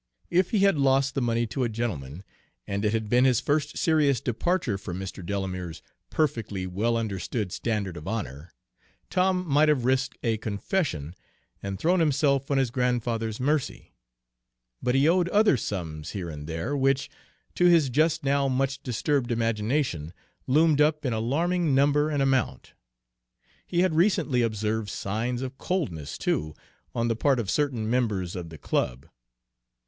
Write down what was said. If he had lost the money to a gentleman, and it had been his first serious departure from Mr. Delamere's perfectly well understood standard of honor, Tom might have risked a confession and thrown himself on his grandfather's mercy; but he owed other sums here and there, which, to his just now much disturbed imagination, loomed up in alarming number and amount. He had recently observed signs of coldness, too, on the part of certain members of the club.